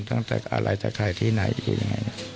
อะไรแต่ไหนที่ไหน